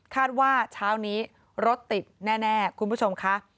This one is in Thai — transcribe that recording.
ว่าเช้านี้รถติดแน่คุณผู้ชมค่ะ